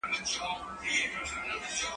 دا تمرين له هغه ګټور دي؟!